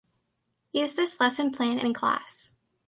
Use this lesson plan in class.